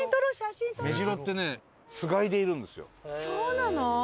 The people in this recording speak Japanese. そうなの？